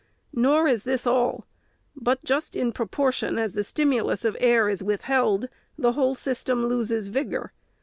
Nor is this all; — but just in proportion as the stimulus of air is withheld, the whole system loses vigor.